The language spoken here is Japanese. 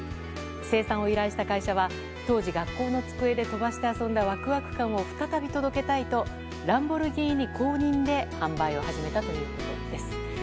生産を依頼した会社は当時、学校の机で飛ばして遊んだワクワク感を再び届けたいとランボルギーニ公認で販売を始めたということです。